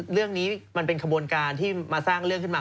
เรื่องนี้มันเป็นขบวนการที่มาสร้างเรื่องขึ้นมา